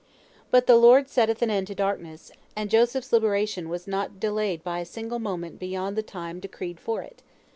But "the Lord setteth an end to darkness," and Joseph's liberation was not delayed by a single moment beyond the time decreed for it.